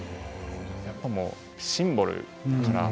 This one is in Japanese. やっぱりシンボルだったから。